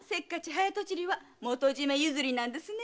早とちりは元締ゆずりなんですね！